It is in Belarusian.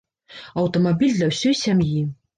Аўтамабіль для ўсёй сям'і!